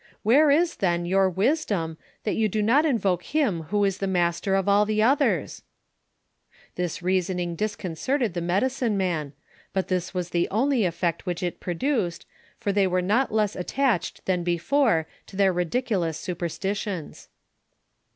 Whore ia, then, your wiadom, that you do not invoke him who ia the maater of all the othcral' Tliia reaaoning disconcerted the medicine man, but this was the only effect which it produced, for they were not less attached tlian before to tlieir ridiculous auporatitiona.